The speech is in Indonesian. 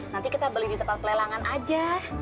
nanti kita beli di tempat pelelangan aja